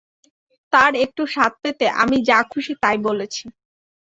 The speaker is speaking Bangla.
তার একটু স্বাদ পেতে আমি যা খুশি তাই বলেছি।